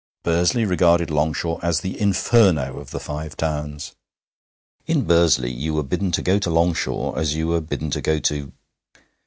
Bursley regarded Longshaw as the Inferno of the Five Towns. In Bursley you were bidden to go to Longshaw as you were bidden to go to